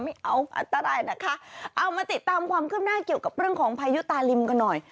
ไม่เอาอันตรายนะคะเอามาติดตามความคืบหน้าเกี่ยวกับเรื่องของพายุตาลิมกันหน่อย